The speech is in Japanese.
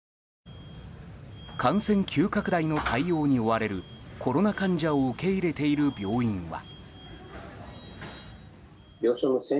感染急拡大の対応に追われるコロナ患者を受け入れている病院は。